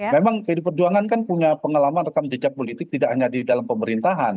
memang pdi perjuangan kan punya pengalaman rekam jejak politik tidak hanya di dalam pemerintahan